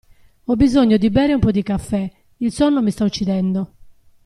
Ho bisogno di bere un po' di caffè, il sonno mi sta uccidendo.